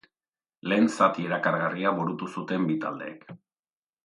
Lehen zati erakargarria burutu zuten bi taldeek.